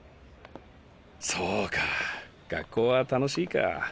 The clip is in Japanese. そうか学校は楽しいか。